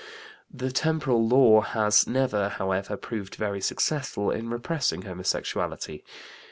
" The temporal law has never, however, proved very successful in repressing homosexuality.